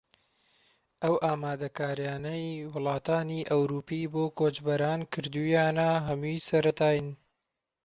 ئەو ئامادەکارییانەی وڵاتانی ئەوروپی بۆ کۆچبەران کردوویانە هەمووی سەرەتایین